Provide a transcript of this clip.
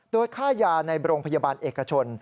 โดยค่ายาในโรงพยาบาลเอกชน